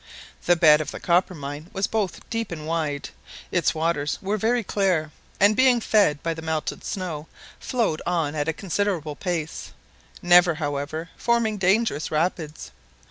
The bed of the Coppermine was both deep and wide; its waters were very clear, and being fed by the melted snow, flowed on at a considerable pace, never, however, forming dangerous rapids.